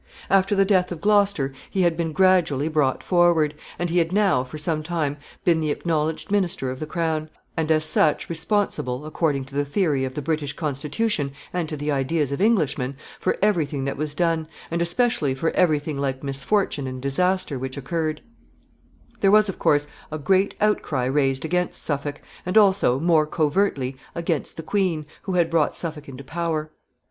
After the death of Gloucester he had been gradually brought forward, and he had now, for some time, been the acknowledged minister of the crown, and as such responsible, according to the theory of the British Constitution and to the ideas of Englishmen, for every thing that was done, and especially for every thing like misfortune and disaster which occurred. [Sidenote: Suffolk in danger.] There was, of course, a great outcry raised against Suffolk, and also, more covertly, against the queen, who had brought Suffolk into power.